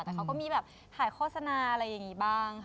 แต่เขาก็มีแบบถ่ายโฆษณาอะไรอย่างนี้บ้าง